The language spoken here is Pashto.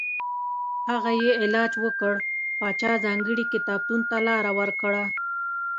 هغه یې علاج وکړ پاچا ځانګړي کتابتون ته لاره ورکړه.